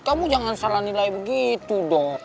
kamu jangan salah nilai begitu dok